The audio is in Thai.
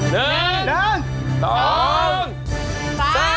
ดิ้งอาร์มิสาห์